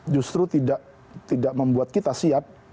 justru tidak membuat kita siap